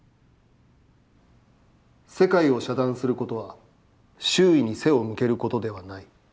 「世界を遮断することは、周囲に背を向けることではない。